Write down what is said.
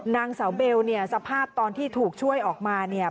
นางสาวเบลเนี่ยสภาพตอนที่ถูกช่วยออกมาเนี่ย